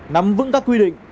nắm vững các quy định